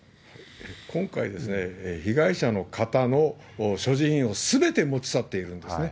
今回、被害者の方の所持品をすべて持ち去っているんですね。